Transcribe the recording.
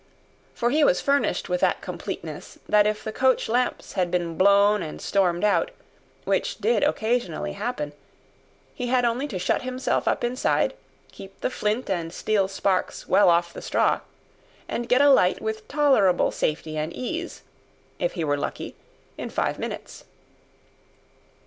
For he was furnished with that completeness that if the coach lamps had been blown and stormed out, which did occasionally happen, he had only to shut himself up inside, keep the flint and steel sparks well off the straw, and get a light with tolerable safety and ease (if he were lucky) in five minutes.